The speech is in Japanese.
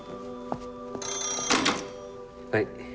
☎はい。